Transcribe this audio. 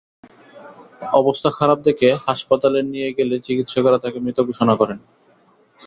অবস্থা খারাপ দেখে হাসপাতালে নিয়ে গেলে চিকিৎসকেরা তাঁকে মৃত ঘোষণা করেন।